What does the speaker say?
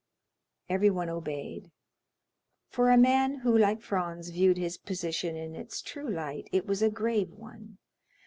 Everyone obeyed. For a man who, like Franz, viewed his position in its true light, it was a grave one.